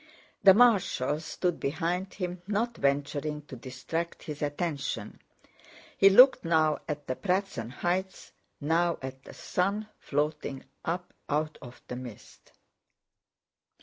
The marshals stood behind him not venturing to distract his attention. He looked now at the Pratzen Heights, now at the sun floating up out of the mist.